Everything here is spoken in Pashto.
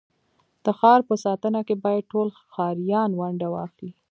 د ښار په ساتنه کي بايد ټول ښاریان ونډه واخلي.